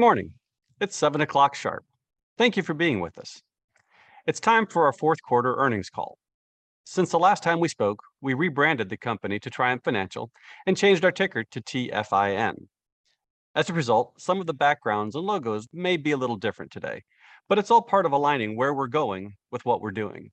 Good morning. It's 7:00 A.M. sharp. Thank you for being with us. It's time for our Fourth Quarter Earnings Call. Since the last time we spoke, we rebranded the company to Triumph Financial and changed our ticker to TFIN. Some of the backgrounds and logos may be a little different today, but it's all part of aligning where we're going with what we're doing.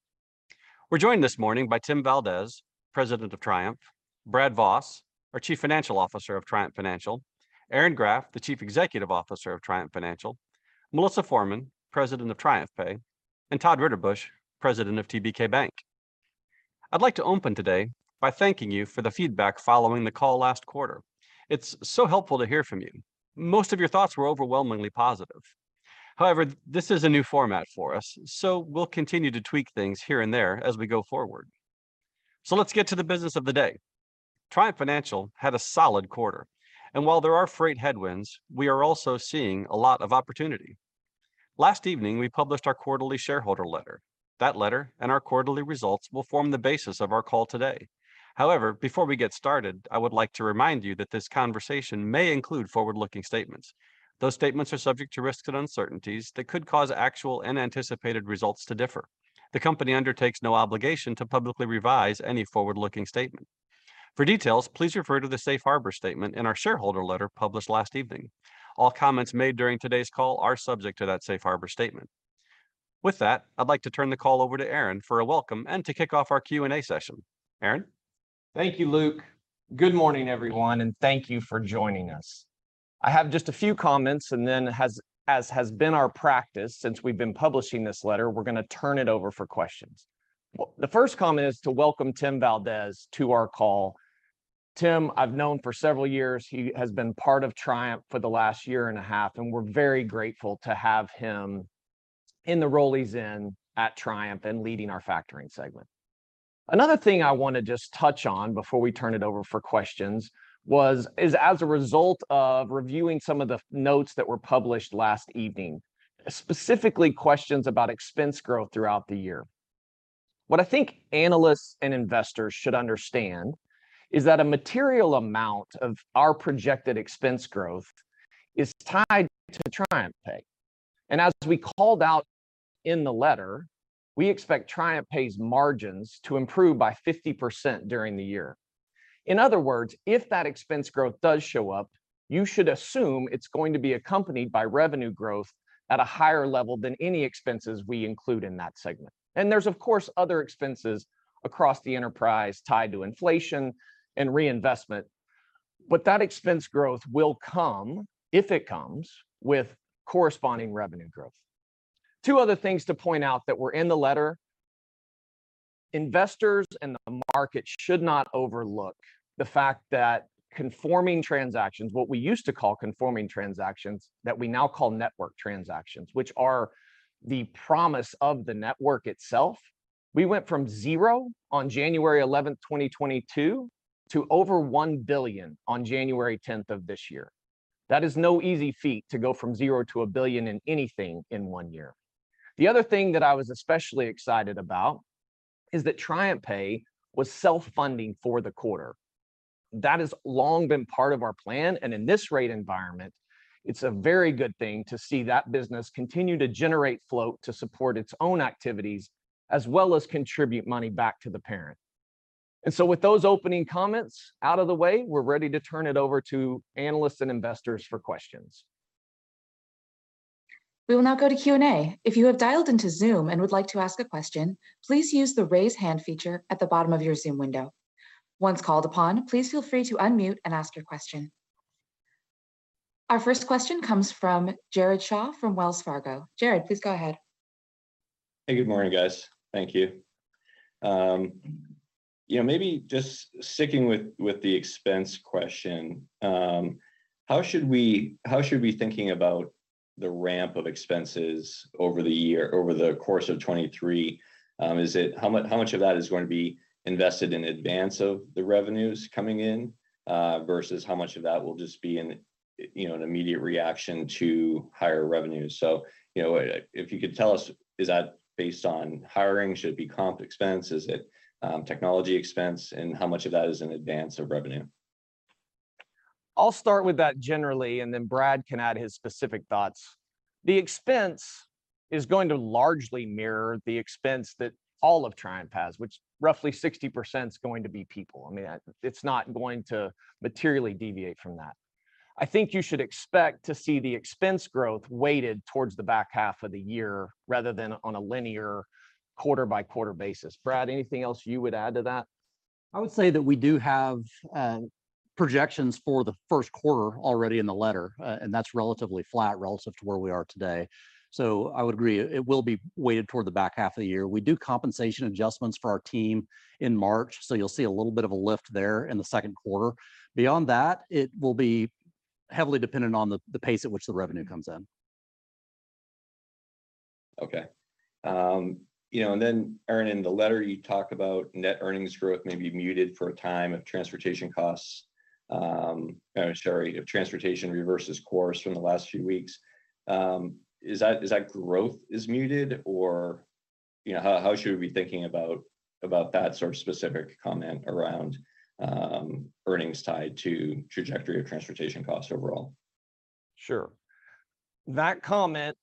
We're joined this morning by Tim Valdez, President of Triumph, Brad Voss, our Chief Financial Officer of Triumph Financial, Aaron Graft, the Chief Executive Officer of Triumph Financial, Melissa Forman, President of TriumphPay, and Todd Ritterbusch, President of TBK Bank. I'd like to open today by thanking you for the feedback following the call last quarter. It's so helpful to hear from you. Most of your thoughts were overwhelmingly positive. This is a new format for us, we'll continue to tweak things here and there as we go forward. Let's get to the business of the day. Triumph Financial had a solid quarter, while there are freight headwinds, we are also seeing a lot of opportunity. Last evening, we published our quarterly shareholder letter. That letter and our quarterly results will form the basis of our call today. Before we get started, I would like to remind you that this conversation may include forward-looking statements. Those statements are subject to risks and uncertainties that could cause actual and anticipated results to differ. The company undertakes no obligation to publicly revise any forward-looking statement. For details, please refer to the safe harbor statement in our shareholder letter published last evening. All comments made during today's call are subject to that safe harbor statement. With that, I'd like to turn the call over to Aaron for a welcome and to kick off our Q&A session. Aaron? Thank you, Luke. Good morning, everyone, and thank you for joining us. I have just a few comments, and then as has been our practice since we've been publishing this letter, we're gonna turn it over for questions. The first comment is to welcome Tim Valdez to our call. Tim, I've known for several years. He has been part of Triumph for the last year and a half, and we're very grateful to have him in the role he's in at Triumph and leading our factoring segment. Another thing I want to just touch on before we turn it over for questions as a result of reviewing some of the notes that were published last evening, specifically questions about expense growth throughout the year. What I think analysts and investors should understand is that a material amount of our projected expense growth is tied to TriumphPay. As we called out in the letter, we expect TriumphPay's margins to improve by 50% during the year. In other words, if that expense growth does show up, you should assume it's going to be accompanied by revenue growth at a higher level than any expenses we include in that segment. There's of course other expenses across the enterprise tied to inflation and reinvestment. That expense growth will come, if it comes, with corresponding revenue growth. Two other things to point out that were in the letter, investors and the market should not overlook the fact that conforming transactions, what we used to call conforming transactions that we now call network transactions, which are the promise of the network itself, we went from 0 on January 11th, 2022 to over $1 billion on January 10th of this year. That is no easy feat to go from 0 to $1 billion in anything in one year. The other thing that I was especially excited about is that TriumphPay was self-funding for the quarter. That has long been part of our plan, and in this rate environment, it's a very good thing to see that business continue to generate flow to support its own activities as well as contribute money back to the parent. With those opening comments out of the way, we're ready to turn it over to analysts and investors for questions. We will now go to Q&A. If you have dialed into Zoom and would like to ask a question, please use the Raise Hand feature at the bottom of your Zoom window. Once called upon, please feel free to unmute and ask your question. Our first question comes from Jared Shaw from Wells Fargo. Jared, please go ahead. Hey, good morning, guys. Thank you. you know, maybe just sticking with the expense question, how should we be thinking about the ramp of expenses over the year, over the course of 23? Is it how much of that is going to be invested in advance of the revenues coming in, versus how much of that will just be in, you know, an immediate reaction to higher revenues? you know, if you could tell us, is that based on hiring? Should it be comp expense? Is it technology expense, and how much of that is in advance of revenue? I'll start with that generally, and then Brad Voss can add his specific thoughts. The expense is going to largely mirror the expense that all of Triumph has, which roughly 60% is going to be people. I mean, it's not going to materially deviate from that. I think you should expect to see the expense growth weighted towards the back half of the year rather than on a linear quarter-by-quarter basis. Brad Voss, anything else you would add to that? I would say that we do have projections for the first quarter already in the letter. That's relatively flat relative to where we are today. I would agree it will be weighted toward the back half of the year. We do compensation adjustments for our team in March, so you'll see a little bit of a lift there in the second quarter. Beyond that, it will be heavily dependent on the pace at which the revenue comes in. Okay. You know, then Aaron, in the letter you talk about net earnings growth may be muted for a time if transportation costs, or sorry, if transportation reverses course from the last few weeks. Is that growth muted? You know, how should we be thinking about that sort of specific comment around earnings tied to trajectory of transportation costs overall? Sure. That comment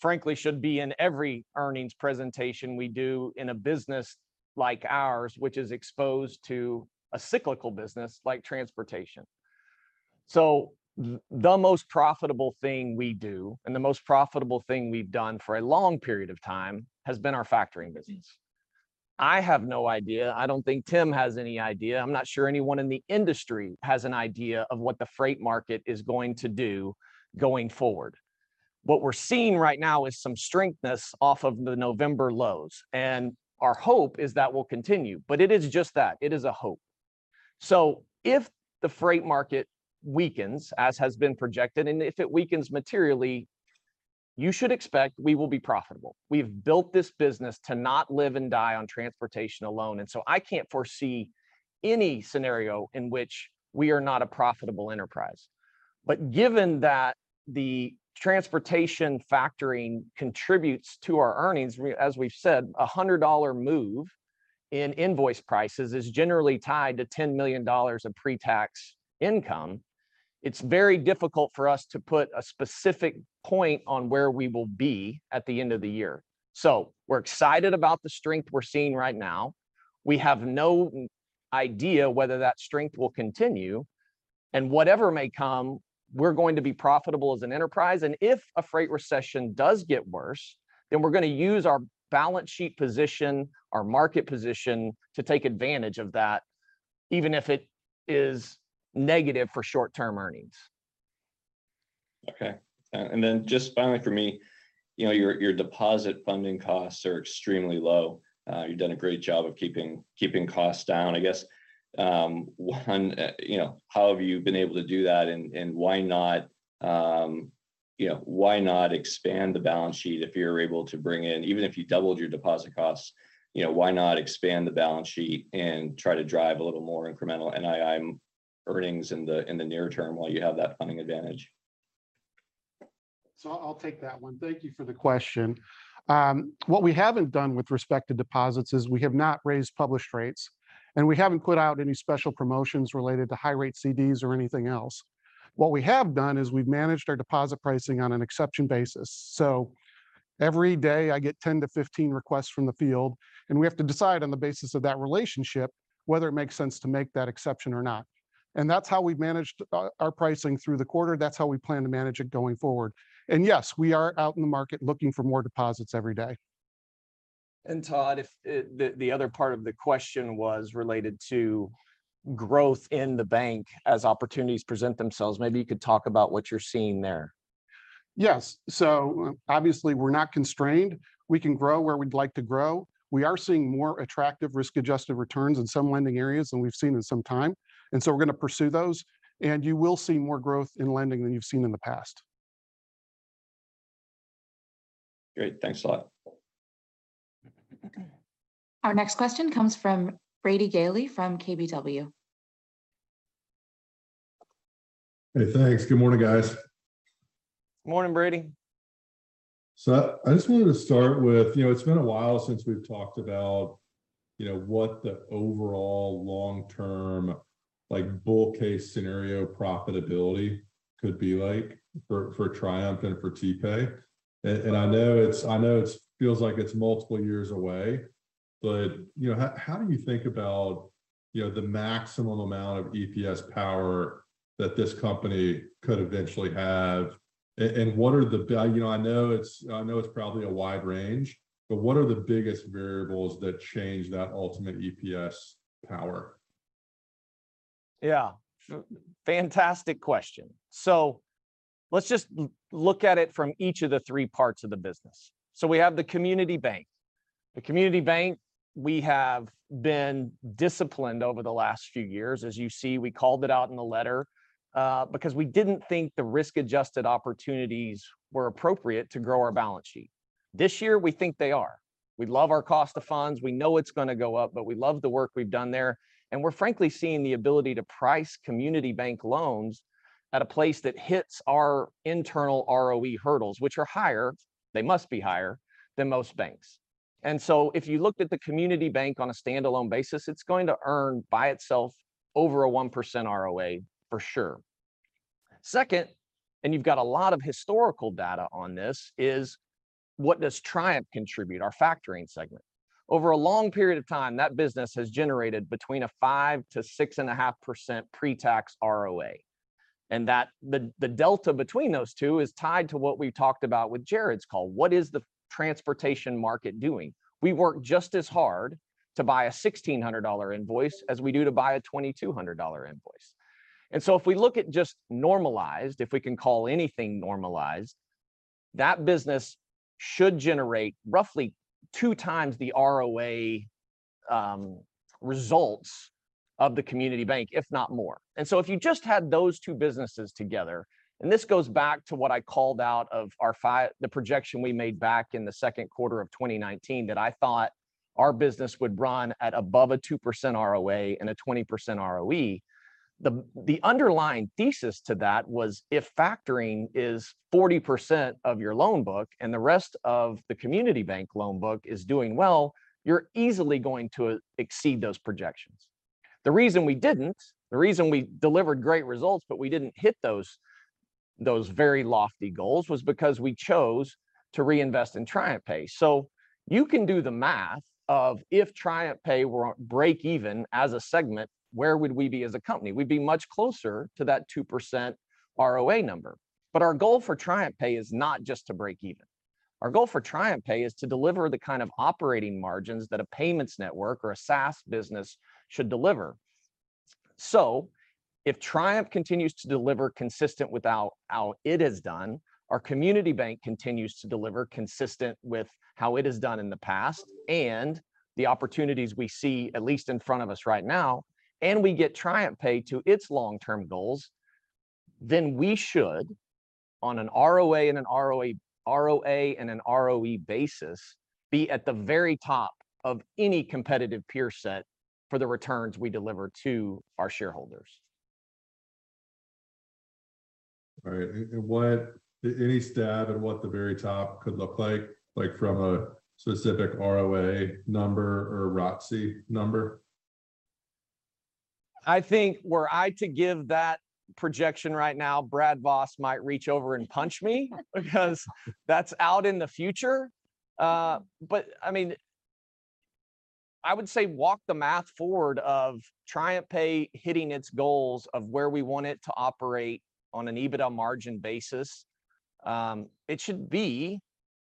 frankly should be in every earnings presentation we do in a business like ours, which is exposed to a cyclical business like transportation. The most profitable thing we do, and the most profitable thing we've done for a long period of time, has been our factoring business. I have no idea, I don't think Tim has any idea, I'm not sure anyone in the industry has an idea of what the freight market is going to do going forward. What we're seeing right now is some strength off of the November lows, and our hope is that will continue. It is just that, it is a hope. If the freight market weakens, as has been projected, and if it weakens materially, you should expect we will be profitable. We've built this business to not live and die on transportation alone. I can't foresee any scenario in which we are not a profitable enterprise. Given that the transportation factoring contributes to our earnings, we, as we've said, $100 move in invoice prices is generally tied to $10 million of pre-tax income. We're excited about the strength we're seeing right now. We have no idea whether that strength will continue, and whatever may come, we're going to be profitable as an enterprise. If a freight recession does get worse, then we're gonna use our balance sheet position, our market position to take advantage of that, even if it is negative for short-term earnings. Okay. Then just finally from me, you know, your deposit funding costs are extremely low. You've done a great job of keeping costs down. I guess, 1, you know, how have you been able to do that, why not, you know, why not expand the balance sheet if you're able to Even if you doubled your deposit costs, you know, why not expand the balance sheet and try to drive a little more incremental NIM earnings in the, in the near term while you have that funding advantage? I'll take that one. Thank you for the question. What we haven't done with respect to deposits is we have not raised published rates, and we haven't put out any special promotions related to high rate CDs or anything else. What we have done is we've managed our deposit pricing on an exception basis. Every day I get 10-15 requests from the field, and we have to decide on the basis of that relationship whether it makes sense to make that exception or not. That's how we've managed our pricing through the quarter, that's how we plan to manage it going forward. Yes, we are out in the market looking for more deposits every day. Todd, if, the other part of the question was related to growth in the bank as opportunities present themselves, maybe you could talk about what you're seeing there? Yes. Obviously we're not constrained. We can grow where we'd like to grow. We are seeing more attractive risk-adjusted returns in some lending areas than we've seen in some time, and so we're gonna pursue those. You will see more growth in lending than you've seen in the past. Great. Thanks a lot. Our next question comes from Brady Gailey from KBW. Hey, thanks. Good morning, guys. Morning, Brady. I just wanted to start with, you know, it's been a while since we've talked about, you know, what the overall long-term, like, bull case scenario profitability could be like for Triumph and for TPay. I know it feels like it's multiple years away, but, you know, how do you think about, you know, the maximum amount of EPS power that this company could eventually have? And what are the va-- You know, I know it's probably a wide range, but what are the biggest variables that change that ultimate EPS power? Yeah. Fantastic question. Let's just look at it from each of the three parts of the business. We have the community bank. The community bank, we have been disciplined over the last few years. As you see, we called it out in the letter, because we didn't think the risk-adjusted opportunities were appropriate to grow our balance sheet. This year we think they are. We love our cost of funds. We know it's gonna go up, but we love the work we've done there. We're frankly seeing the ability to price community bank loans at a place that hits our internal ROE hurdles, which are higher, they must be higher, than most banks. If you looked at the community bank on a standalone basis, it's going to earn by itself over a 1% ROA for sure. Second, you've got a lot of historical data on this, is what does Triumph contribute, our factoring segment? Over a long period of time, that business has generated between a 5%-6.5% pre-tax ROA. That the delta between those two is tied to what we've talked about with Jared's call. What is the transportation market doing? We work just as hard to buy a $1,600 invoice as we do to buy a $2,200 invoice. So if we look at just normalized, if we can call anything normalized, that business should generate roughly 2x the ROA results of the community bank, if not more. If you just had those two businesses together, and this goes back to what I called out of our the projection we made back in the second quarter of 2019 that I thought our business would run at above a 2% ROA and a 20% ROE. The underlying thesis to that was if factoring is 40% of your loan book and the rest of the community bank loan book is doing well, you're easily going to exceed those projections. The reason we didn't, the reason we delivered great results, but we didn't hit those very lofty goals was because we chose to reinvest in TriumphPay. You can do the math of if TriumphPay were to break even as a segment, where would we be as a company? We'd be much closer to that 2% ROA number. Our goal for TriumphPay is not just to break even. Our goal for TriumphPay is to deliver the kind of operating margins that a payments network or a SaaS business should deliver. If Triumph continues to deliver consistent with how it has done, our community bank continues to deliver consistent with how it has done in the past and the opportunities we see, at least in front of us right now, and we get TriumphPay to its long-term goals, we should, on an ROA and an ROE basis, be at the very top of any competitive peer set for the returns we deliver to our shareholders. All right. Any stab at what the very top could look like from a specific ROA number or ROCE number? I think were I to give that projection right now, Brad Voss might reach over and punch me because that's out in the future. I mean, I would say walk the math forward of TriumphPay hitting its goals of where we want it to operate on an EBITDA margin basis. It should be,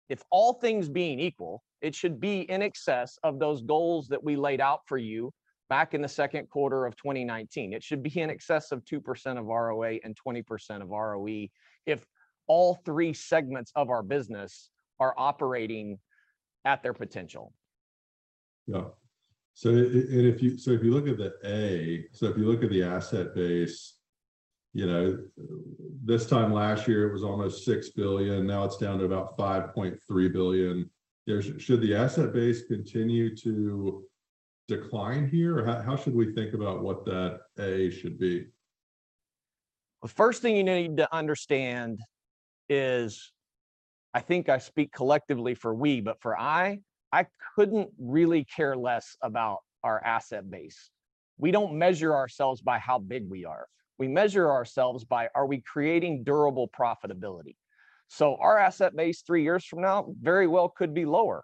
if all things being equal, it should be in excess of those goals that we laid out for you back in the second quarter of 2019. It should be in excess of 2% of ROA and 20% of ROE if all three segments of our business are operating at their potential. Yeah. If you look at the A, if you look at the asset base, you know, this time last year it was almost $6 billion, now it's down to about $5.3 billion. Should the asset base continue to decline here? How should we think about what that A should be? The first thing you need to understand is I think I speak collectively for we, but for I couldn't really care less about our asset base. We don't measure ourselves by how big we are. We measure ourselves by are we creating durable profitability. Our asset base three years from now very well could be lower.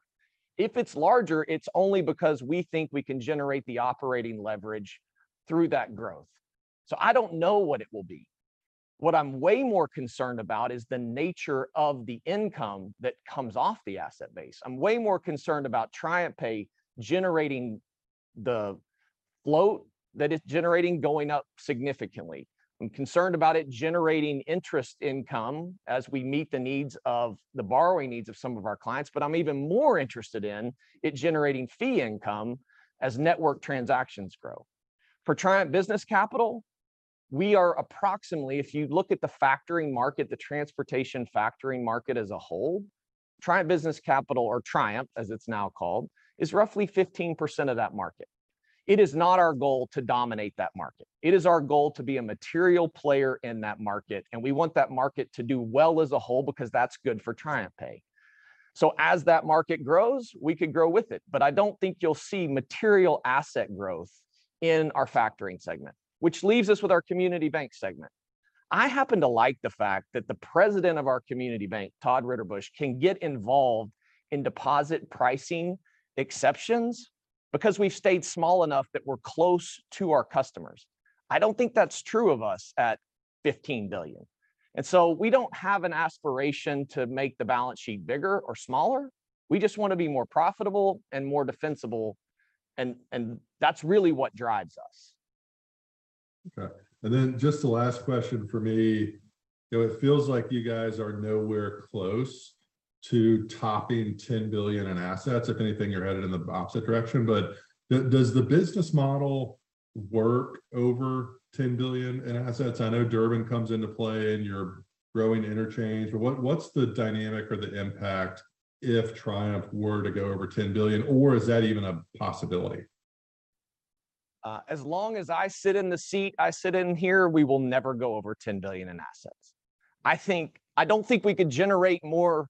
If it's larger, it's only because we think we can generate the operating leverage through that growth. I don't know what it will be. What I'm way more concerned about is the nature of the income that comes off the asset base. I'm way more concerned about TriumphPay generating the flow that it's generating going up significantly. I'm concerned about it generating interest income as we meet the needs of the borrowing needs of some of our clients. I'm even more interested in it generating fee income as network transactions grow. For Triumph Business Capital, we are approximately, if you look at the factoring market, the transportation factoring market as a whole, Triumph Business Capital or Triumph as it's now called, is roughly 15% of that market. It is not our goal to dominate that market. It is our goal to be a material player in that market, and we want that market to do well as a whole because that's good for TriumphPay. As that market grows, we can grow with it. I don't think you'll see material asset growth in our factoring segment. Which leaves us with our community bank segment. I happen to like the fact that the president of our community bank, Todd Ritterbusch, can get involved in deposit pricing exceptions because we've stayed small enough that we're close to our customers. I don't think that's true of us at $15 billion. We don't have an aspiration to make the balance sheet bigger or smaller. We just want to be more profitable and more defensible and that's really what drives us. Okay. Just the last question from me. You know, it feels like you guys are nowhere close to topping $10 billion in assets. If anything, you're headed in the opposite direction. Does the business model work over $10 billion in assets? I know Durbin comes into play and you're growing interchange, what's the dynamic or the impact if Triumph were to go over $10 billion, or is that even a possibility? As long as I sit in the seat I sit in here, we will never go over $10 billion in assets. I don't think we could generate more.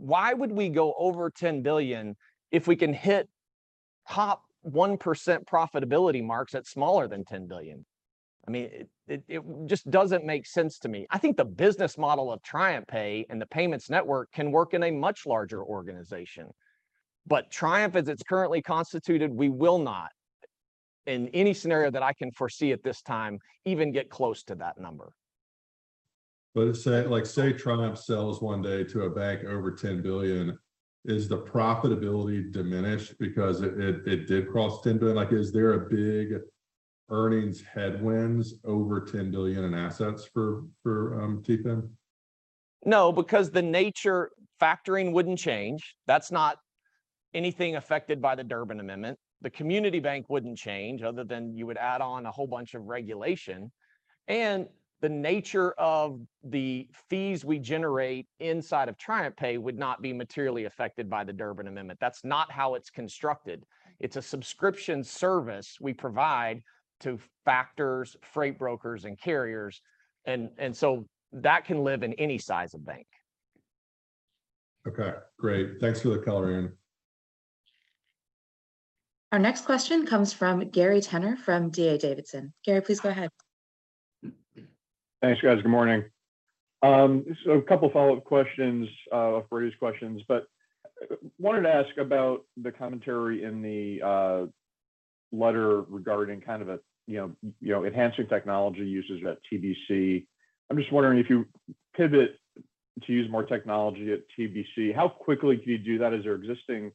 Why would we go over $10 billion if we can hit top 1% profitability marks that's smaller than $10 billion? I mean, it just doesn't make sense to me. I think the business model of TriumphPay and the payments network can work in a much larger organization. Triumph, as it's currently constituted, we will not, in any scenario that I can foresee at this time, even get close to that number. Say, like say Triumph sells one day to a bank over $10 billion. Is the profitability diminished because it did cross $10 billion? Is there a big earnings headwinds over $10 billion in assets for TPay? No, because the nature factoring wouldn't change. That's not anything affected by the Durbin Amendment. The community bank wouldn't change other than you would add on a whole bunch of regulation. The nature of the fees we generate inside of TriumphPay would not be materially affected by the Durbin Amendment. That's not how it's constructed. It's a subscription service we provide to factors, freight brokers and carriers. That can live in any size of bank. Okay. Great. Thanks for the color, Aaron. Our next question comes from Gary Tenner from D.A. Davidson. Gary, please go ahead. Thanks, guys. Good morning. A couple follow-up questions for these questions. Wanted to ask about the commentary in the letter regarding kind of a, you know, enhancing technology usage at TBC. I'm just wondering if you pivot to use more technology at TBC, how quickly can you do that? Is there existing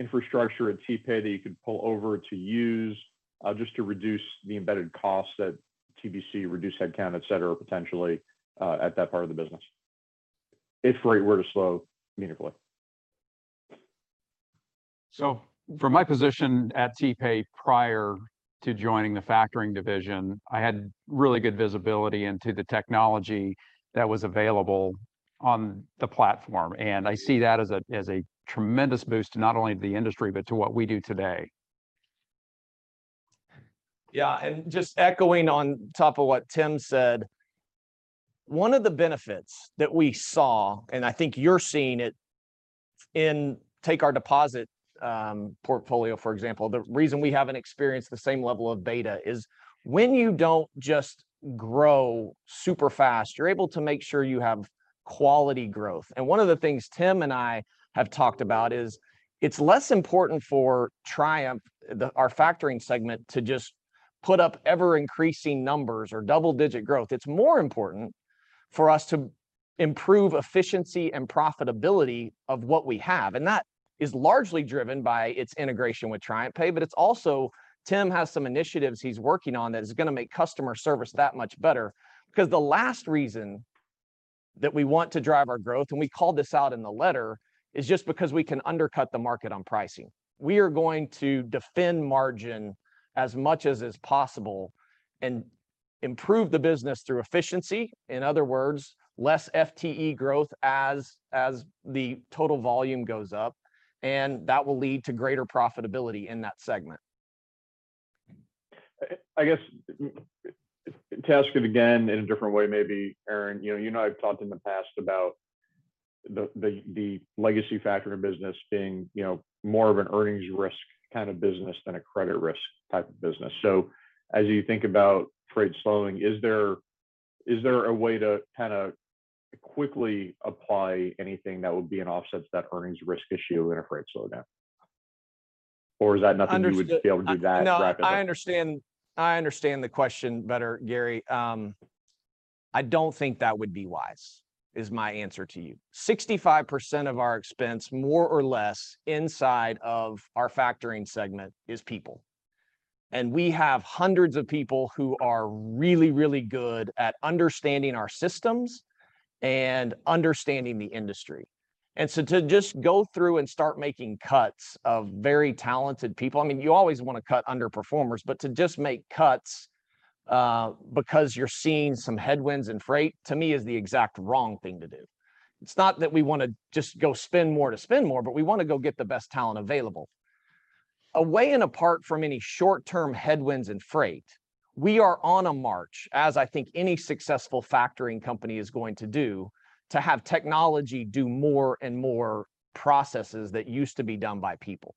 infrastructure at TPay that you could pull over to use just to reduce the embedded costs at TBC, reduce headcount, et cetera, potentially at that part of the business if freight were to slow meaningfully? From my position at TPay prior to joining the factoring division, I had really good visibility into the technology that was available on the platform. I see that as a tremendous boost to not only the industry but to what we do today. Yeah. Just echoing on top of what Tim said, one of the benefits that we saw, and I think you're seeing it in take our deposit portfolio, for example. The reason we haven't experienced the same level of beta is when you don't just grow super fast, you're able to make sure you have quality growth. One of the things Tim and I have talked about is it's less important for Triumph, our factoring segment, to just put up ever-increasing numbers or double-digit growth. It's more important for us to improve efficiency and profitability of what we have, and that is largely driven by its integration with TriumphPay. It's also Tim has some initiatives he's working on that is gonna make customer service that much better because the last reason that we want to drive our growth, and we called this out in the letter, is just because we can undercut the market on pricing. We are going to defend margin as much as is possible and improve the business through efficiency, in other words, less FTE growth as the total volume goes up, and that will lead to greater profitability in that segment. I guess to ask it again in a different way maybe, Aaron, you know I've talked in the past about the legacy factoring business being, you know, more of an earnings risk kind of business than a credit risk type of business. As you think about freight slowing, is there a way to kinda quickly apply anything that would be an offset to that earnings risk issue in a freight slowdown? Or is that nothing you would be able to do that rapidly? No, I understand the question better, Gary. I don't think that would be wise, is my answer to you. 65% of our expense, more or less, inside of our factoring segment is people. We have hundreds of people who are really, really good at understanding our systems and understanding the industry. To just go through and start making cuts of very talented people... I mean, you always wanna cut underperformers, but to just make cuts because you're seeing some headwinds in freight, to me is the exact wrong thing to do. It's not that we wanna just go spend more to spend more, but we wanna go get the best talent available. Away and apart from any short-term headwinds in freight, we are on a march, as I think any successful factoring company is going to do, to have technology do more and more processes that used to be done by people.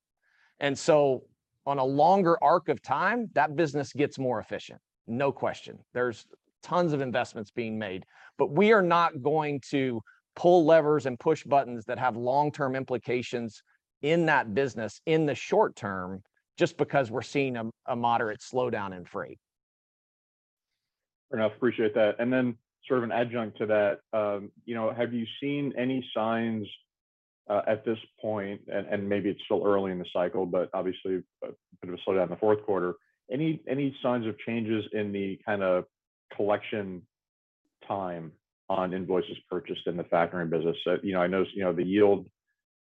On a longer arc of time, that business gets more efficient, no question. There's tons of investments being made. We are not going to pull levers and push buttons that have long-term implications in that business in the short term just because we're seeing a moderate slowdown in freight. Fair enough. Appreciate that. Sort of an adjunct to that, you know, have you seen any signs at this point, and maybe it's still early in the cycle, but obviously a bit of a slowdown in the fourth quarter? Any signs of changes in the kinda collection time on invoices purchased in the factoring business? You know, I notice the yield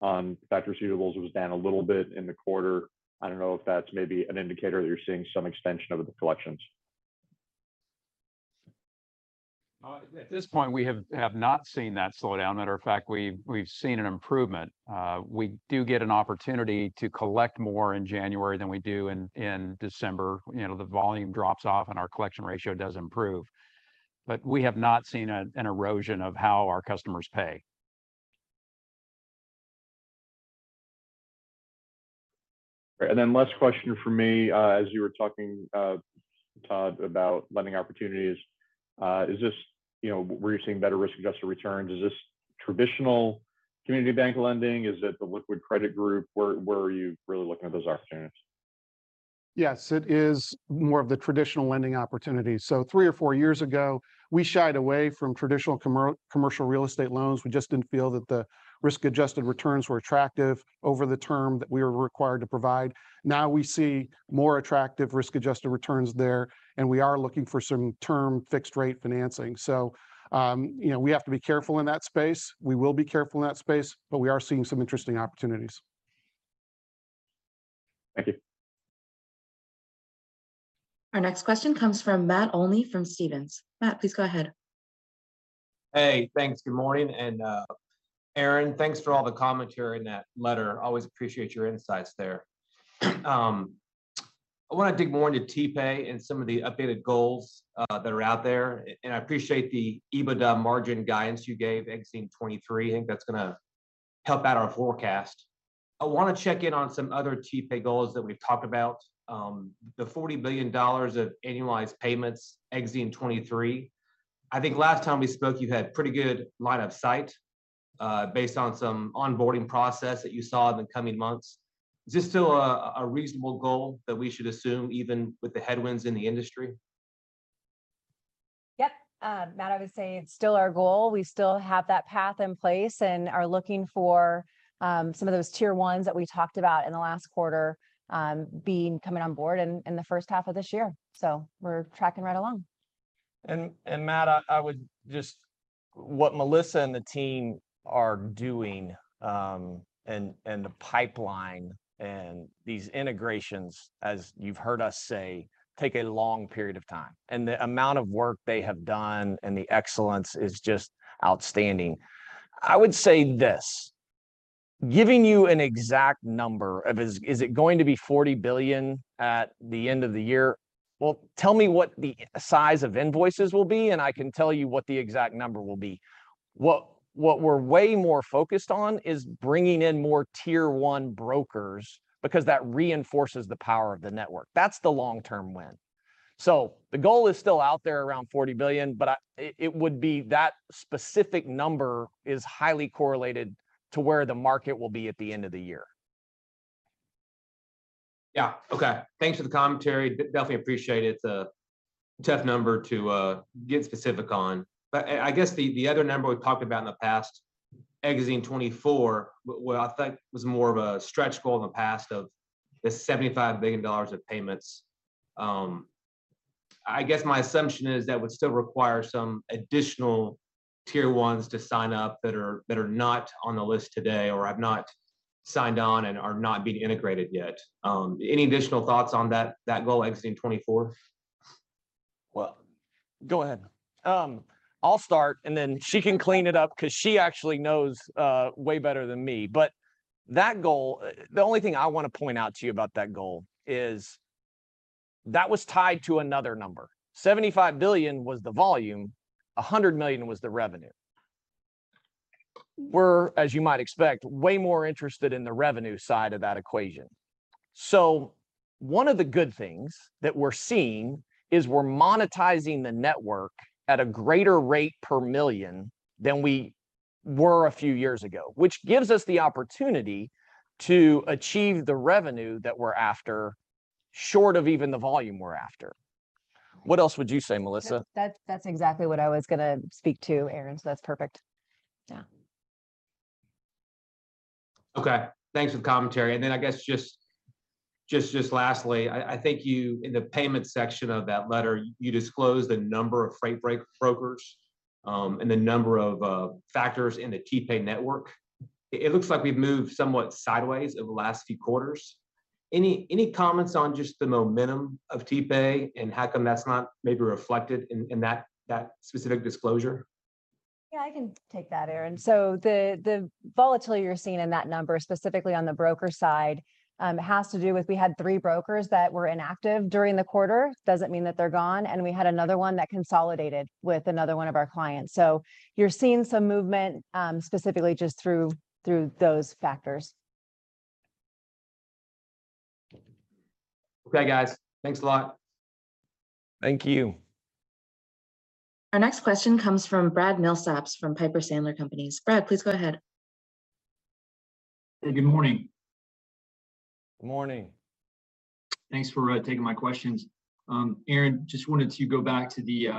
on factor receivables was down a little bit in the quarter. I don't know if that's maybe an indicator that you're seeing some extension of the collections? At this point, we have not seen that slowdown. Matter of fact, we've seen an improvement. We do get an opportunity to collect more in January than we do in December. You know, the volume drops off, and our collection ratio does improve. We have not seen an erosion of how our customers pay. Last question from me. As you were talking, Todd, about lending opportunities, is this, you know, where you're seeing better risk-adjusted returns? Is this traditional community bank lending? Is it the liquid credit group? Where are you really looking at those opportunities? Yes, it is more of the traditional lending opportunities. Three or four years ago, we shied away from traditional commercial real estate loans. We just didn't feel that the risk-adjusted returns were attractive over the term that we were required to provide. Now we see more attractive risk-adjusted returns there, and we are looking for some term fixed rate financing. you know, we have to be careful in that space. We will be careful in that space, but we are seeing some interesting opportunities. Thank you. Our next question comes from Matt Olney from Stephens. Matt, please go ahead. Hey, thanks. Good morning. Aaron, thanks for all the commentary in that letter. Always appreciate your insights there. I wanna dig more into TPay and some of the updated goals that are out there and I appreciate the EBITDA margin guidance you gave exiting 2023. I think that's gonna help out our forecast. I wanna check in on some other TPay goals that we've talked about. The $40 billion of annualized payments exiting 2023, I think last time we spoke you had pretty good line of sight based on some onboarding process that you saw in the coming months. Is this still a reasonable goal that we should assume even with the headwinds in the industry? Yep. Matt, I would say it's still our goal. We still have that path in place and are looking for, some of those tier ones that we talked about in the last quarter, coming on board in the first half of this year. We're tracking right along. Matt, I would just... What Melissa and the team are doing, and the pipeline and these integrations, as you've heard us say, take a long period of time. The amount of work they have done and the excellence is just outstanding. I would say this, giving you an exact number of is it going to be $40 billion at the end of the year? Tell me what the size of invoices will be, and I can tell you what the exact number will be. What we're way more focused on is bringing in more tier one brokers because that reinforces the power of the network. That's the long-term win. The goal is still out there around $40 billion, but it would be that specific number is highly correlated to where the market will be at the end of the year. Yeah. Okay. Thanks for the commentary. Definitely appreciate it. It's a tough number to get specific on. I guess the other number we've talked about in the past, exiting 2024, I thought was more of a stretch goal in the past of the $75 billion of payments. I guess my assumption is that would still require some additional tier ones to sign up that are not on the list today, or have not signed on and are not being integrated yet. Any additional thoughts on that goal exiting 2024? Well, go ahead. I'll start, and then she can clean it up 'cause she actually knows way better than me. That goal, the only thing I wanna point out to you about that goal is that was tied to another number. $75 billion was the volume, $100 million was the revenue. We're, as you might expect, way more interested in the revenue side of that equation. One of the good things that we're seeing is we're monetizing the network at a greater rate per million than we were a few years ago, which gives us the opportunity to achieve the revenue that we're after, short of even the volume we're after. What else would you say, Melissa? That's exactly what I was gonna speak to, Aaron. That's perfect. Yeah. Okay. Thanks for the commentary. I guess just lastly, I think you, in the payment section of that letter, you disclosed the number of freight brokers, and the number of factors in the TPay network. It looks like we've moved somewhat sideways over the last few quarters. Any comments on just the momentum of TPay and how come that's not maybe reflected in that specific disclosure? Yeah, I can take that, Aaron. The, the volatility you're seeing in that number, specifically on the broker side, has to do with, we had three brokers that were inactive during the quarter. Doesn't mean that they're gone, and we had another one that consolidated with another one of our clients. You're seeing some movement, specifically just through those factors. Okay, guys. Thanks a lot. Thank you. Our next question comes from Brad Milsaps from Piper Sandler Companies. Brad, please go ahead. Hey, good morning. Morning. Thanks for taking my questions. Aaron, just wanted to go back to the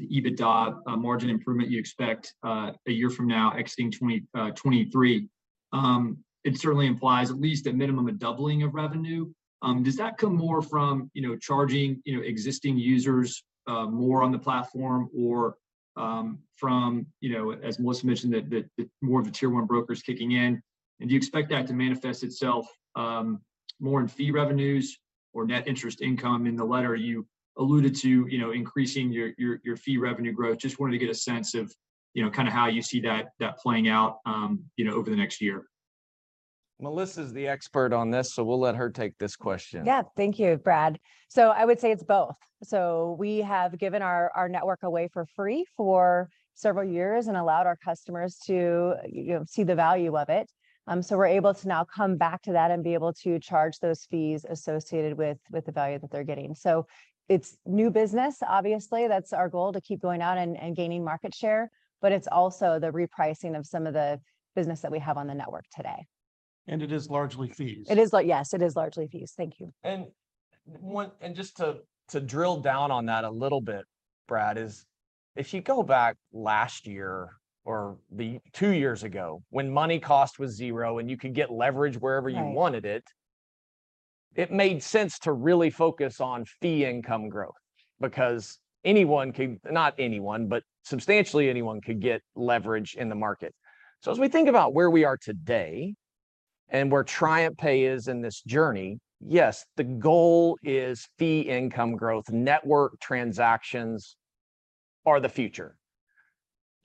EBITDA margin improvement you expect a year from now exiting 2023. It certainly implies at least a minimum of doubling of revenue. Does that come more from, you know, charging, you know, existing users more on the platform or from, you know, as Melissa mentioned, that more of the tier one brokers kicking in? Do you expect that to manifest itself more in fee revenues or net interest income? In the letter you alluded to, you know, increasing your fee revenue growth. Just wanted to get a sense of, you know, kind of how you see that playing out, you know, over the next year. Melissa's the expert on this, so we'll let her take this question. Yeah. Thank you, Brad. I would say it's both. We have given our network away for free for several years and allowed our customers to, you know, see the value of it. We're able to now come back to that and be able to charge those fees associated with the value that they're getting. It's new business, obviously, that's our goal, to keep going out and gaining market share, but it's also the repricing of some of the business that we have on the network today. It is largely fees. Yes, it is largely fees. Thank you. Just to drill down on that a little bit, Brad, is if you go back last year or two years ago when money cost was $0 and you could get leverage wherever you wanted it. It made sense to really focus on fee income growth because anyone not anyone, but substantially anyone could get leverage in the market. As we think about where we are today and where TriumphPay is in this journey, yes, the goal is fee income growth. Network transactions are the future.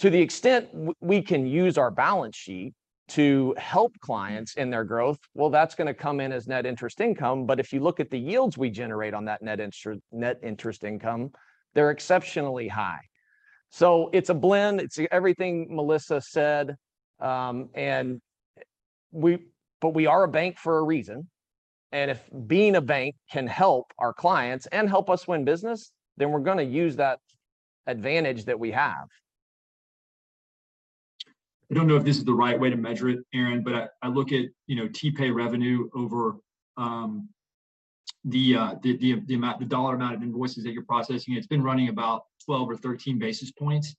To the extent we can use our balance sheet to help clients in their growth, well, that's gonna come in as net interest income. If you look at the yields we generate on that net interest income, they're exceptionally high. It's a blend. It's everything Melissa said, but we are a bank for a reason. If being a bank can help our clients and help us win business, then we're gonna use that advantage that we have. I don't know if this is the right way to measure it, Aaron, but I look at, you know, TPay revenue over the dollar amount of invoices that you're processing. It's been running about 12 or 13 basis points.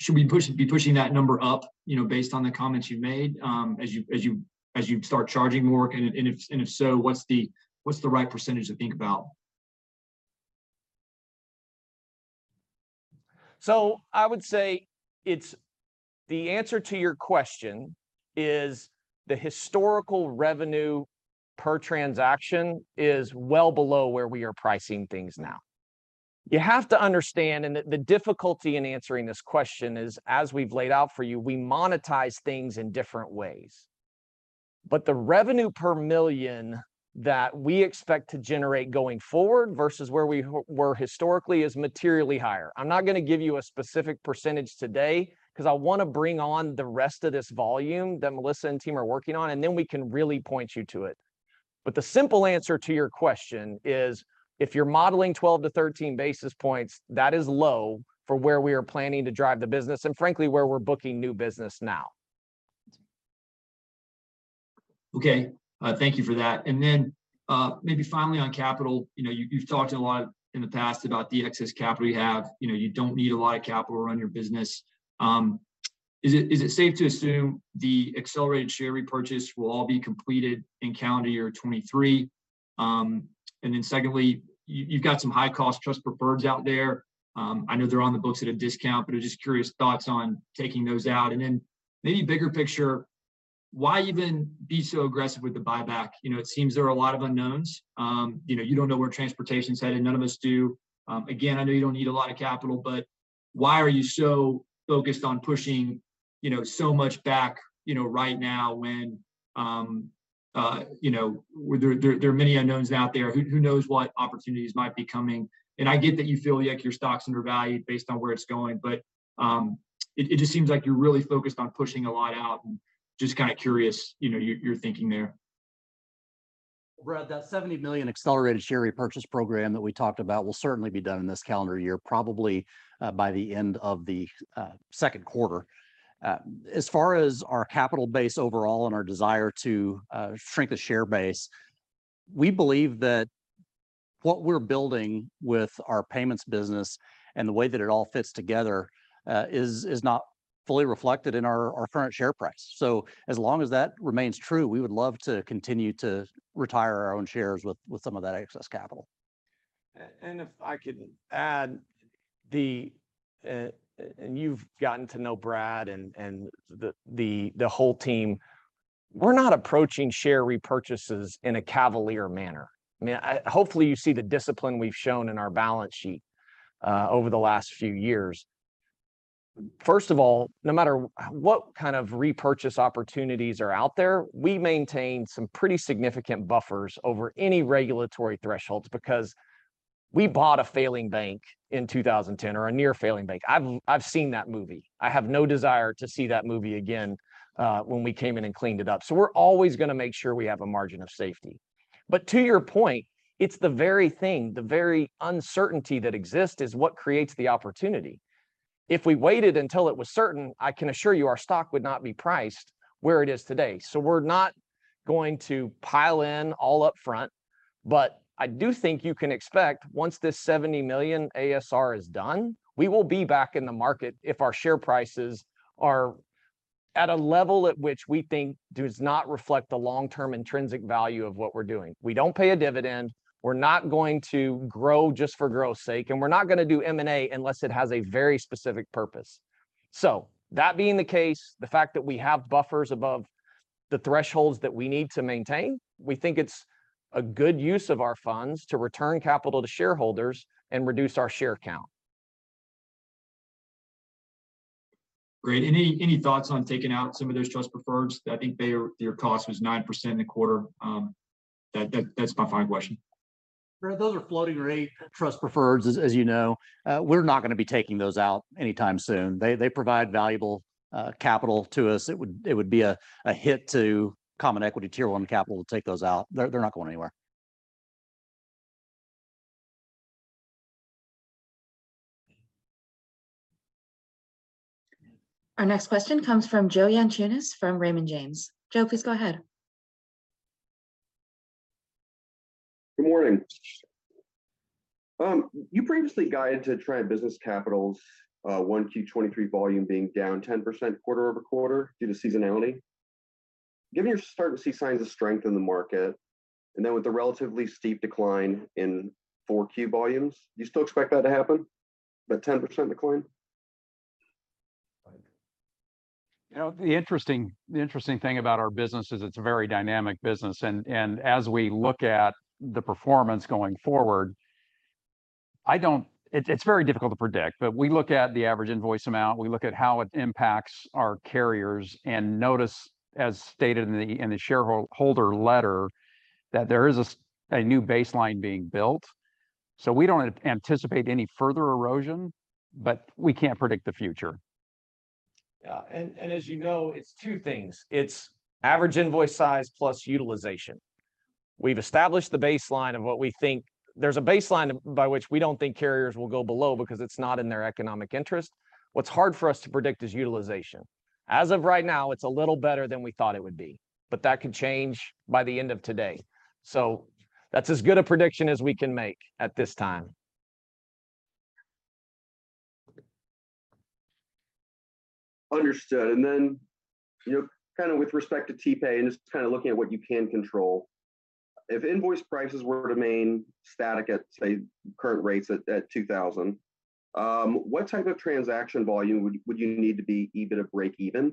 Should we be pushing that number up, you know, based on the comments you've made, as you start charging more? If so, what's the right percentage to think about? I would say the answer to your question is the historical revenue per transaction is well below where we are pricing things now. You have to understand the difficulty in answering this question is, as we've laid out for you, we monetize things in different ways. The revenue per million that we expect to generate going forward versus where we were historically is materially higher. I'm not gonna give you a specific percentage today because I want to bring on the rest of this volume that Melissa and team are working on, and then we can really point you to it. The simple answer to your question is, if you're modeling 12 to 13 basis points, that is low for where we are planning to drive the business and frankly where we're booking new business now. Thank you for that. Maybe finally on capital. You know, you've talked a lot in the past about the excess capital you have. You know, you don't need a lot of capital to run your business. Is it safe to assume the Accelerated Share Repurchase will all be completed in calendar year 2023? Secondly, you've got some high cost Trust Preferreds out there. I know they're on the books at a discount, but just curious thoughts on taking those out. Maybe bigger picture, why even be so aggressive with the buyback? You know, it seems there are a lot of unknowns. You know, you don't know where transportation's headed, none of us do. Again, I know you don't need a lot of capital. Why are you so focused on pushing, you know, so much back, you know, right now when, you know, there are many unknowns out there? Who knows what opportunities might be coming? I get that you feel like your stock's undervalued based on where it's going. It just seems like you're really focused on pushing a lot out, and just kinda curious, you know, your thinking there. Brad, that $70 million accelerated share repurchase program that we talked about will certainly be done in this calendar year, probably by the end of the second quarter. As far as our capital base overall and our desire to shrink the share base, we believe that what we're building with our payments business and the way that it all fits together is not fully reflected in our current share price. As long as that remains true, we would love to continue to retire our own shares with some of that excess capital. If I could add, the, and you've gotten to know Brad and the whole team. We're not approaching share repurchases in a cavalier manner. I mean, hopefully, you see the discipline we've shown in our balance sheet over the last few years. First of all, no matter what kind of repurchase opportunities are out there, we maintain some pretty significant buffers over any regulatory thresholds because we bought a failing bank in 2010, or a near-failing bank. I've seen that movie. I have no desire to see that movie again, when we came in and cleaned it up. We're always gonna make sure we have a margin of safety. To your point, it's the very thing, the very uncertainty that exists is what creates the opportunity. If we waited until it was certain, I can assure you our stock would not be priced where it is today. We're not going to pile in all up front. I do think you can expect once this $70 million ASR is done, we will be back in the market if our share prices are at a level at which we think does not reflect the long-term intrinsic value of what we're doing. We don't pay a dividend. We're not going to grow just for growth's sake, and we're not gonna do M&A unless it has a very specific purpose. That being the case, the fact that we have buffers above the thresholds that we need to maintain, we think it's a good use of our funds to return capital to shareholders and reduce our share count. Great. Any thoughts on taking out some of those Trust Preferreds? I think your cost was 9% in the quarter. That's my final question. Brad, those are floating rate trust preferreds, as you know. We're not gonna be taking those out anytime soon. They provide valuable capital to us. It would be a hit to Common Equity Tier 1 capital to take those out. They're not going anywhere. Our next question comes from Joe Yanchunis from Raymond James. Joe, please go ahead. Good morning. You previously guided to Triumph Business Capital's 1Q23 volume being down 10% quarter-over-quarter due to seasonality. Given you're starting to see signs of strength in the market, and then with the relatively steep decline in 4Q volumes, do you still expect that to happen, that 10% decline? You know, the interesting thing about our business is it's a very dynamic business. As we look at the performance going forward, It's very difficult to predict. We look at the average invoice amount, we look at how it impacts our carriers and notice, as stated in the, in the shareholder letter, that there is a new baseline being built. We don't anticipate any further erosion, but we can't predict the future. Yeah. As you know, it's two things. It's average invoice size plus utilization. We've established the baseline of what we think. There's a baseline by which we don't think carriers will go below because it's not in their economic interest. What's hard for us to predict is utilization. As of right now, it's a little better than we thought it would be, but that could change by the end of today. That's as good a prediction as we can make at this time. Understood. You know, kinda with respect to TPay and just kinda looking at what you can control, if invoice prices were to remain static at, say, current rates at 2,000, what type of transaction volume would you need to be EBITDA breakeven?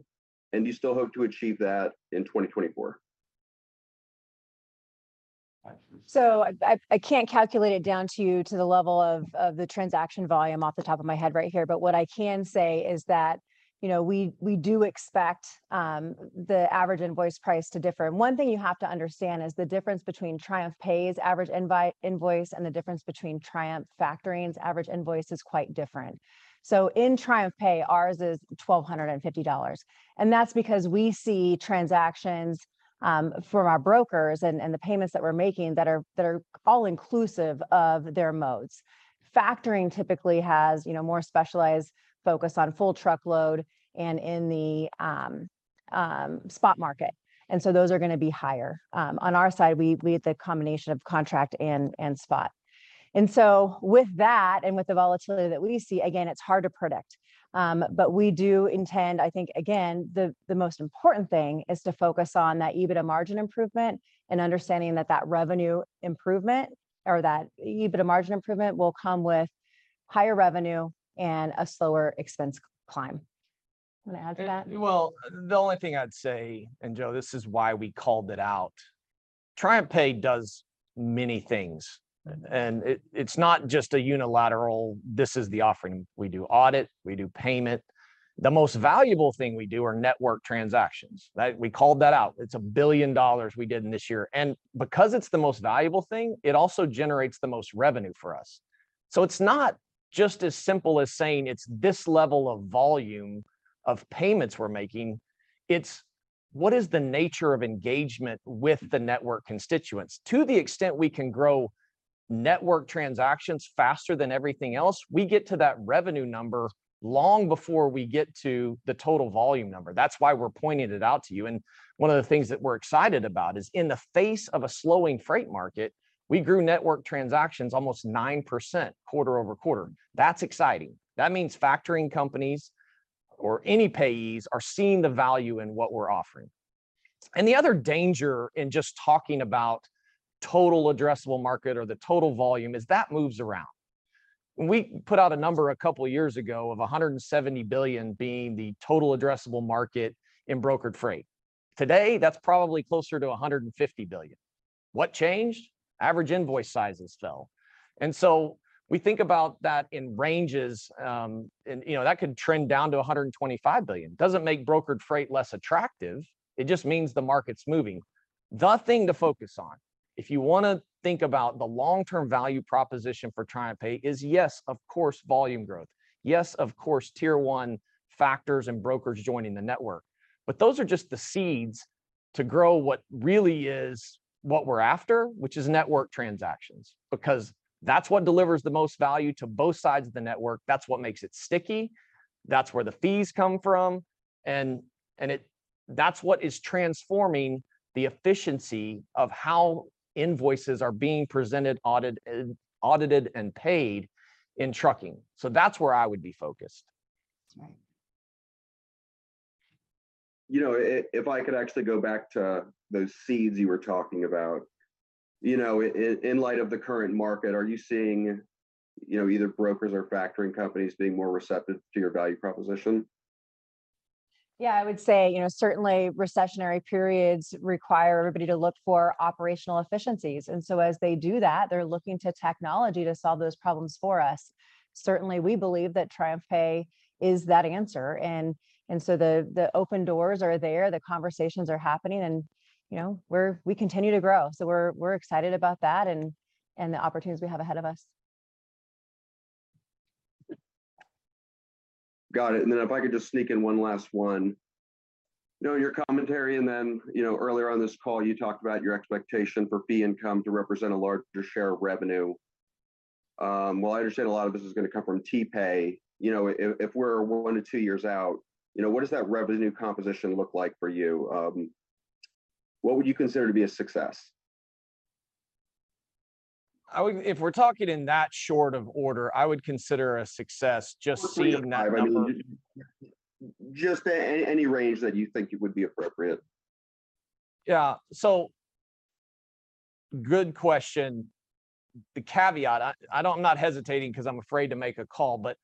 Do you still hope to achieve that in 2024? I can't calculate it down to the level of the transaction volume off the top of my head right here. What I can say is that, you know, we do expect the average invoice price to differ. One thing you have to understand is the difference between TriumphPay's average invoice and the difference between Triumph Factoring's average invoice is quite different. In TriumphPay, ours is $1,250, and that's because we see transactions from our brokers and the payments that we're making that are all inclusive of their modes. Factoring typically has, you know, more specialized focus on full truckload and in the spot market. Those are gonna be higher. On our side, we have the combination of contract and spot. With that and with the volatility that we see, again, it's hard to predict. We do intend, I think, again, the most important thing is to focus on that EBITDA margin improvement and understanding that that revenue improvement or that EBITDA margin improvement will come with higher revenue and a slower expense climb. You wanna add to that? The only thing I'd say, Joe, this is why we called it out, TriumphPay does many things. It's not just a unilateral, this is the offering. We do audit, we do payment. The most valuable thing we do are network transactions, right? We called that out. It's $1 billion we did in this year. Because it's the most valuable thing, it also generates the most revenue for us. It's not just as simple as saying it's this level of volume of payments we're making. It's what is the nature of engagement with the network constituents. To the extent we can grow network transactions faster than everything else, we get to that revenue number long before we get to the total volume number. That's why we're pointing it out to you. One of the things that we're excited about is in the face of a slowing freight market, we grew network transactions almost 9% quarter-over-quarter. That's exciting. That means factoring companies or any payees are seeing the value in what we're offering. The other danger in just talking about total addressable market or the total volume is that moves around. When we put out a number a couple of years ago of $170 billion being the total addressable market in brokered freight. Today, that's probably closer to $150 billion. What changed? Average invoice sizes fell. We think about that in ranges, and you know, that could trend down to $125 billion. Doesn't make brokered freight less attractive. It just means the market's moving. The thing to focus on, if you wanna think about the long-term value proposition for TriumphPay is, yes, of course, volume growth. Yes, of course, Tier 1 factors and brokers joining the network. Those are just the seeds to grow what really is what we're after, which is network transactions, because that's what delivers the most value to both sides of the network. That's what makes it sticky. That's where the fees come from. That's what is transforming the efficiency of how invoices are being presented, audited, and paid in trucking. That's where I would be focused. That's right. You know, if I could actually go back to those seeds you were talking about. You know, in light of the current market, are you seeing, you know, either brokers or factoring companies being more receptive to your value proposition? Yeah, I would say, you know, certainly recessionary periods require everybody to look for operational efficiencies. As they do that, they're looking to technology to solve those problems for us. Certainly, we believe that TriumphPay is that answer. The open doors are there, the conversations are happening and, you know, we continue to grow. We're excited about that and the opportunities we have ahead of us. Got it. If I could just sneak in one last one? You know, your commentary and then, you know, earlier on this call, you talked about your expectation for fee income to represent a larger share of revenue. While I understand a lot of this is gonna come from TriumphPay, you know, if we're one to two years out, you know, what does that revenue composition look like for you? What would you consider to be a success? If we're talking in that short of order, I would consider a success just seeing that number. Just any range that you think it would be appropriate. Yeah. Good question. The caveat, I don't Not hesitating 'cause I'm afraid to make a call, but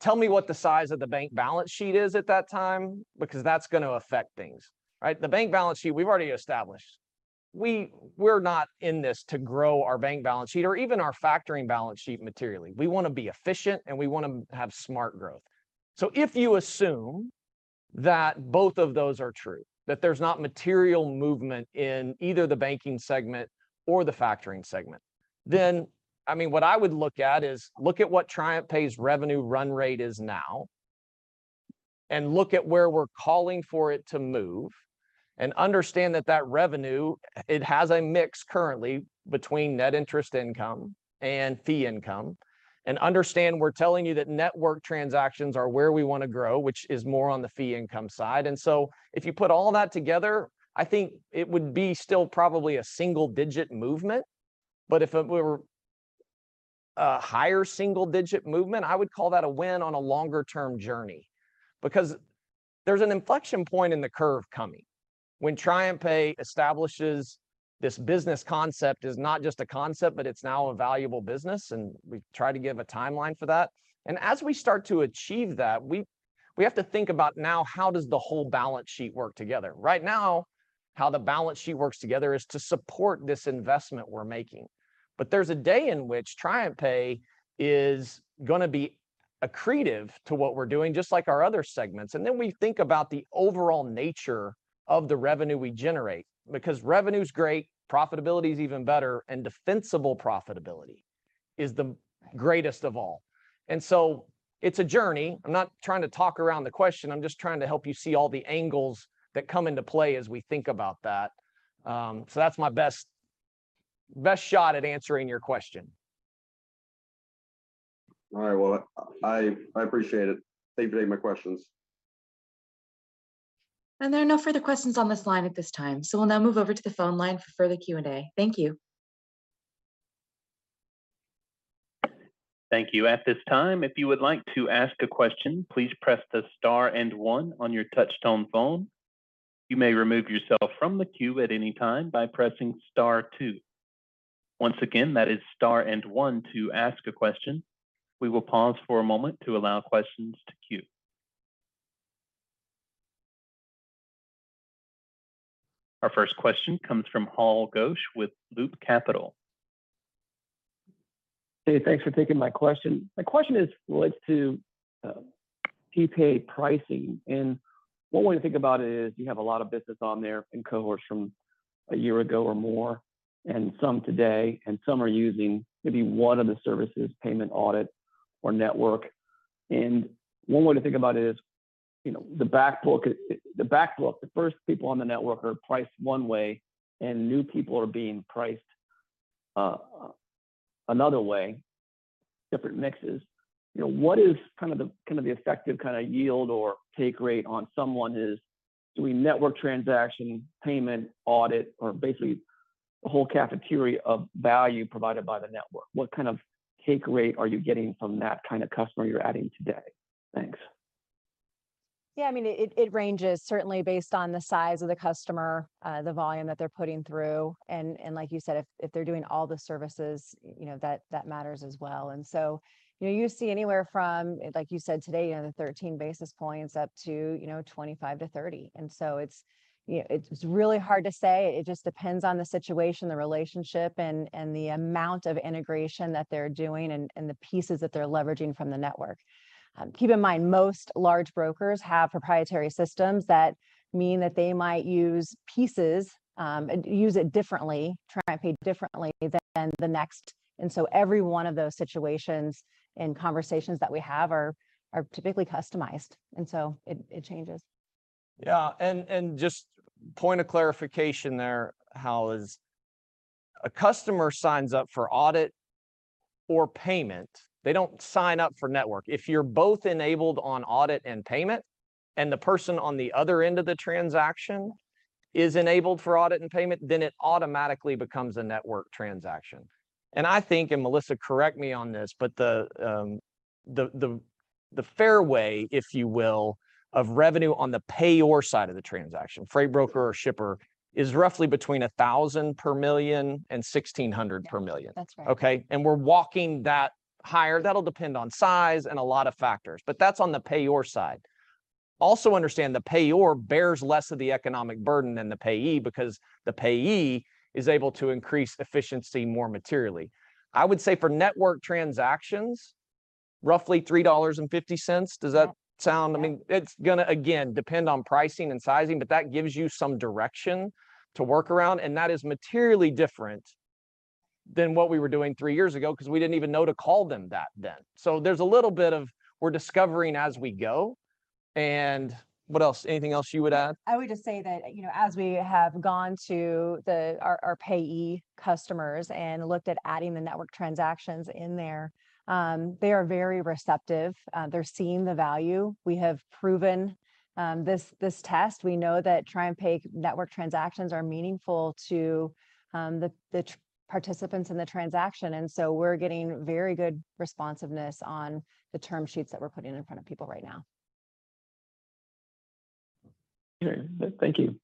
tell me what the size of the bank balance sheet is at that time, because that's gonna affect things, right? The bank balance sheet, we've already established. We're not in this to grow our bank balance sheet or even our factoring balance sheet materially. We wanna be efficient, and we wanna have smart growth. If you assume that both of those are true, that there's not material movement in either the banking segment or the factoring segment, then, I mean, what I would look at is look at what TriumphPay's revenue run rate is now, and look at where we're calling for it to move, and understand that revenue, it has a mix currently between net interest income and fee income. Understand we're telling you that network transactions are where we wanna grow, which is more on the fee income side. So if you put all that together, I think it would be still probably a single-digit movement. If it were a higher single-digit movement, I would call that a win on a longer-term journey. Because there's an inflection point in the curve coming when TriumphPay establishes this business concept as not just a concept, but it's now a valuable business, and we try to give a timeline for that. As we start to achieve that, we have to think about now how does the whole balance sheet work together. Right now, how the balance sheet works together is to support this investment we're making. There's a day in which TriumphPay is gonna be accretive to what we're doing, just like our other segments. We think about the overall nature of the revenue we generate, because revenue's great, profitability's even better, and defensible profitability is the greatest of all. It's a journey. I'm not trying to talk around the question, I'm just trying to help you see all the angles that come into play as we think about that. So that's my best shot at answering your question. All right. Well, I appreciate it. Thank you for taking my questions. There are no further questions on this line at this time. We'll now move over to the phone line for further Q&A. Thank you. Thank you. At this time, if you would like to ask a question, please press the star and one on your touchtone phone. You may remove yourself from the queue at any time by pressing star two. Once again, that is star and one to ask a question. We will pause for a moment to allow questions to queue. Our first question comes from Hal Goetsch with Loop Capital. Hey, thanks for taking my question. My question is related to TPay pricing. One way to think about it is you have a lot of business on there and cohorts from a year ago or more, and some today, and some are using maybe one of the services, payment, audit, or network. One way to think about it is, you know, the back book, the first people on the network are priced one way and new people are being priced another way, different mixes. You know, what is kind of the effective kind of yield or take rate on someone is doing network transaction, payment, audit, or basically a whole cafeteria of value provided by the network? What kind of take rate are you getting from that kind of customer you're adding today? Thanks. Yeah, I mean, it ranges certainly based on the size of the customer, the volume that they're putting through, and like you said, if they're doing all the services, you know, that matters as well. You know, you see anywhere from, like you said today, you know, the 13 basis points up to, you know, 25 to 30. It's, you know, it's really hard to say. It just depends on the situation, the relationship, and the amount of integration that they're doing and the pieces that they're leveraging from the network. Keep in mind, most large brokers have proprietary systems that mean that they might use pieces and use it differently, TriumphPay differently than the next. Every one of those situations and conversations that we have are typically customized, it changes. Yeah. Just point of clarification there, Hal, is a customer signs up for audit or payment. They don't sign up for network. If you're both enabled on audit and payment, and the person on the other end of the transaction is enabled for audit and payment, then it automatically becomes a network transaction. I think, Melissa correct me on this, but the fair way, if you will, of revenue on the payor side of the transaction, freight broker or shipper, is roughly between $1,000 per million and $1,600 per million. Yeah. That's right. Okay? We're walking that higher. That'll depend on size and a lot of factors, that's on the payor side. Also understand the payor bears less of the economic burden than the payee because the payee is able to increase efficiency more materially. I would say for network transactions, roughly $3.50. Does that sound- Yeah. I mean, it's gonna again depend on pricing and sizing, but that gives you some direction to work around, and that is materially different than what we were doing three years ago because we didn't even know to call them that then. There's a little bit of we're discovering as we go. What else? Anything else you would add? I would just say that, you know, as we have gone to our payee customers and looked at adding the network transactions in there, they are very receptive. They're seeing the value. We have proven this test. We know that TriumphPay network transactions are meaningful to the participants in the transaction. We're getting very good responsiveness on the term sheets that we're putting in front of people right now. Okay. Thank you.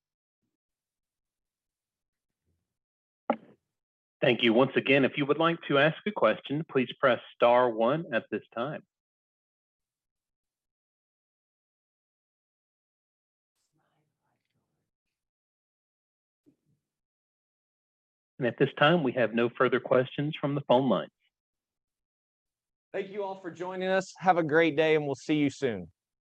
Thank you. Once again, if you would like to ask a question, please press star one at this time. At this time, we have no further questions from the phone lines. Thank you all for joining us. Have a great day. We'll see you soon.